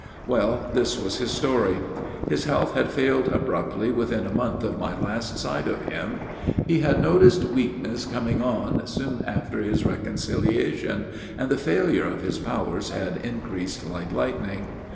"Well, this was his story. His health had failed abruptly within a month of my last sight of him. He had noticed weakness coming on soon after his reconciliation, and the failure of his powers had increased like lightning.